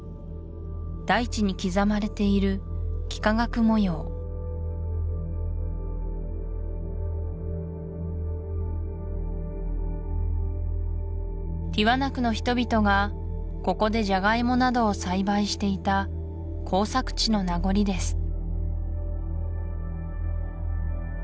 大地に刻まれている幾何学模様ティワナクの人々がここでジャガイモなどを栽培していた耕作地の名残です